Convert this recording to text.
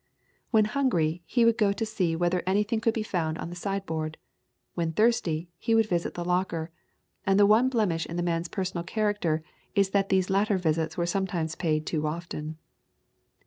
When hungry, he would go to see whether anything could be found on the sideboard; when thirsty, he would visit the locker, and the one blemish in the man's personal character is that these latter visits were sometimes paid too often.